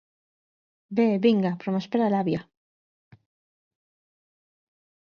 Bé, vinga, però m’espera l’àvia.